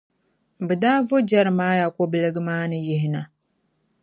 bɛ daa vo Jeremiah kɔbiliga maa ni yihina.